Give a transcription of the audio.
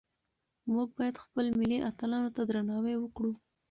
موږ باید خپل ملي اتلانو ته درناوی وکړو.